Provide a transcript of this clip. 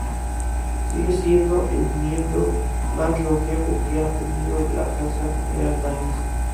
Sigue siendo el miembro más longevo que ha tenido de la Casa Real Danesa.